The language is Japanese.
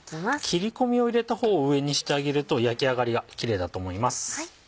切り込みを入れた方を上にしてあげると焼き上がりがキレイだと思います。